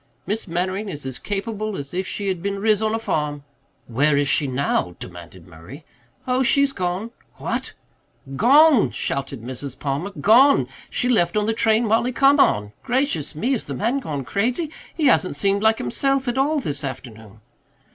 Miss Mannering is as capable as if she had been riz on a farm." "Where is she now?" demanded Murray. "Oh, she's gone." "What?" "Gone," shouted Mrs. Palmer, "gone. She left on the train Mollie come on. Gracious me, has the man gone crazy? He hasn't seemed like himself at all this afternoon."